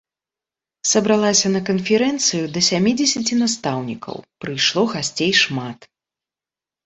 Сабралася на канферэнцыю да сямідзесяці настаўнікаў, прыйшло гасцей шмат.